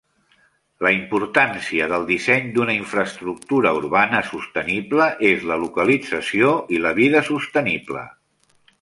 La importància del disseny d'una infraestructura urbana sostenible és la localització i la vida sostenible.